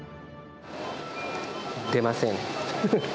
出ません。